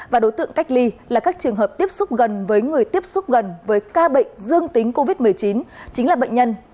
và đối tượng cách ly là các trường hợp tiếp xúc gần với người tiếp xúc gần với ca bệnh dương tính covid một mươi chín chính là bệnh nhân một nghìn năm trăm tám mươi một